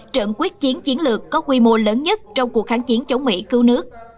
trận quyết chiến chiến lược có quy mô lớn nhất trong cuộc kháng chiến chống mỹ cứu nước